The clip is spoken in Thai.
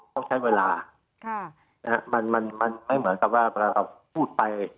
ต้องใช้เวลามันไม่เหมือนกับว่าเวลาเราพูดไป